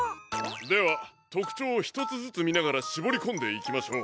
ではとくちょうをひとつずつみながらしぼりこんでいきましょう。